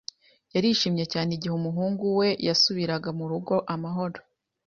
Yarishimye cyane igihe umuhungu we yasubiraga mu rugo amahoro.